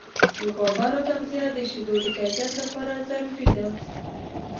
د غواګانو تغذیه د شیدو د کیفیت لپاره ضروري ده.